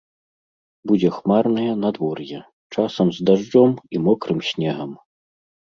Будзе хмарнае надвор'е, часам з дажджом і мокрым снегам.